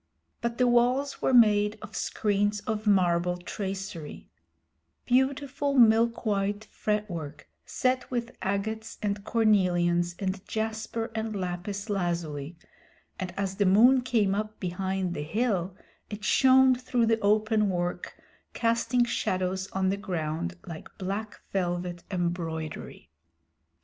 But the walls were made of screens of marble tracery beautiful milk white fretwork, set with agates and cornelians and jasper and lapis lazuli, and as the moon came up behind the hill it shone through the open work, casting shadows on the ground like black velvet embroidery.